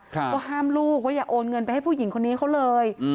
ก็ห้ามลูกว่าอย่าโอนเงินไปให้ผู้หญิงคนนี้เขาเลย